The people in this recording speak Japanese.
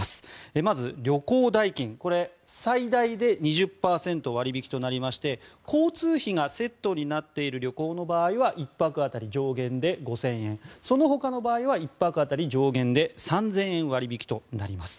まず旅行代金、これは最大で２０％割引となりまして交通費がセットになっている旅行の場合は１泊当たり上限で５０００円そのほかの場合は１泊当たり上限で３０００円の割引となります。